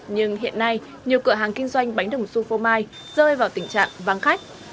nhưng hiện nay nhiều cửa hàng kinh doanh bánh đồng su phô mai rơi vào tình trạng vắng khách